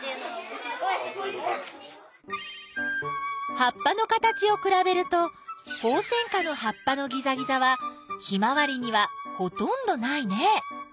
葉っぱの形をくらべるとホウセンカの葉っぱのギザギザはヒマワリにはほとんどないね。